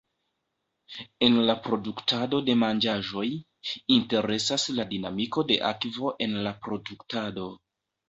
En la produktado de manĝaĵoj, interesas la dinamiko de akvo en la produktado.